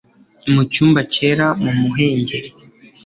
mu cyumba cyera mu muhengeri